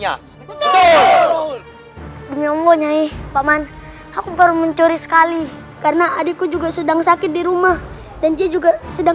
ya nyomo nyai paman aku baru mencuri sekali karena adikku juga sedang sakit di rumah dan dia juga sedang